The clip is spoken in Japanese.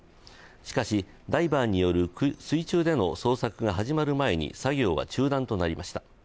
しかしダイバーによる水中での捜索が始まる前に作業は中断となりました。